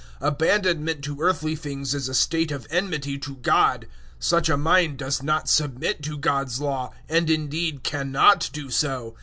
008:007 Abandonment to earthly things is a state of enmity to God. Such a mind does not submit to God's Law, and indeed cannot do so.